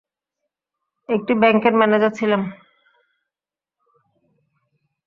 একটি ব্যাংকের ম্যানেজার ছিলাম।